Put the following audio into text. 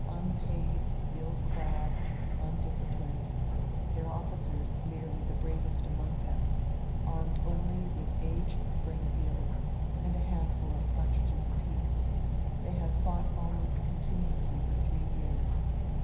Unpaid, ill clad, undisciplined — 2S8 AN OUTPOST IN ACTION their officers merely the bravest among them — armed only with aged Springfields and a handful of cartridges apiece, they had fought ahnost continuously for three years.